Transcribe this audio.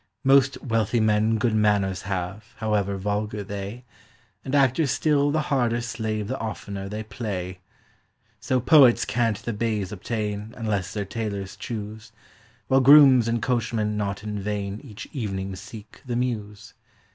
Most wealthy men good manors have, however vulgar they; And actors still the harder slave the oftener they play. So poets can't the baize obtain, unless their tailors choose; While grooms and coachmen not in vain each evening seek the Mews.